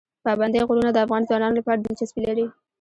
پابندی غرونه د افغان ځوانانو لپاره دلچسپي لري.